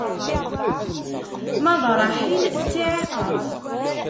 Ma d Ṛaḥil, d tiɛiqert.